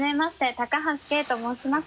高橋啓恵と申します。